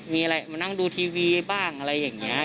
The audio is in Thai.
มานั่งดูทีวีบ้างอะไรอย่างนี้